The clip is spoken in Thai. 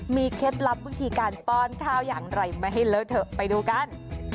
เคล็ดลับวิธีการป้อนข้าวอย่างไรไม่ให้เลอะเถอะไปดูกัน